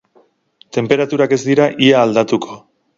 Tenperaturak ez dira ia aldatuko.